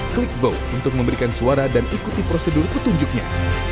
klik vote untuk memberikan suara dan ikuti prosedur petunjuknya